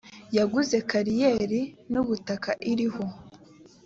yaguze kariyeri n’ ubutaka iriho